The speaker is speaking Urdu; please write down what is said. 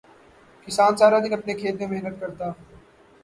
کسان سارا دن اپنے کھیت میں محنت کرتا